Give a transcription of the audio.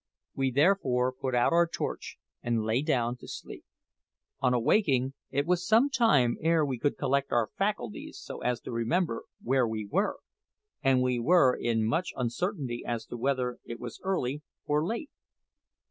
We therefore put out our torch and lay down to sleep. On awaking, it was some time ere we could collect our faculties so as to remember where we were, and we were in much uncertainty as to whether it was early or late.